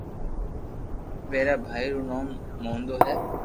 ڀارا بائي رو نوم موننو ھي